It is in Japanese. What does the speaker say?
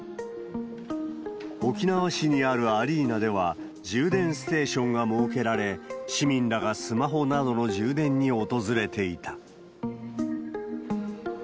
沖縄市にあるアリーナでは充電ステーションが設けられ、市民らがスマホなどの充電に訪れていた。